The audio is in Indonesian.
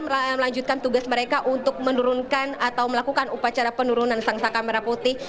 melanjutkan tugas mereka untuk menurunkan atau melakukan upacara penurunan sangsa kamera putih